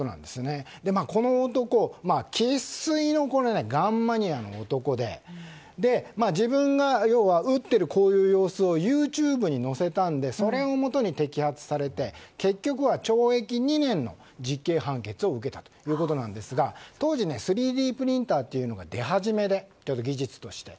この男、生粋のガンマニアの男で自分が撃っている様子をＹｏｕＴｕｂｅにのせたのでそれをもとに摘発されて結局は懲役２年の実刑判決を受けたということなんですが当時、３Ｄプリンターが出始めで技術として。